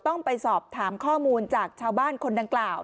ต้องไปสอบถามข้อมูลจากชาวบ้านคนดังกล่าว